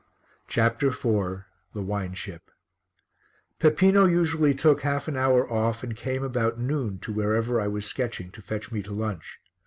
CHAPTER IV THE WINE SHIP Peppino usually took half an hour off and came about noon to wherever I was sketching to fetch me to lunch.